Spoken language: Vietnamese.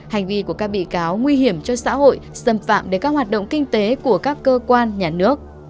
hành vi của các bị cáo nguy hiểm cho xã hội xâm phạm đến các hoạt động kinh tế của các cơ quan nhà nước